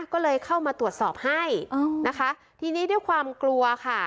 ก็เลยเข้ามาตรวจสอบให้นะคะทีนี้ด้วยความกลัวค่ะ